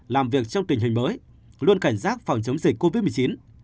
làm việc trong tình hình mới luôn cảnh giác phòng chống dịch covid một mươi chín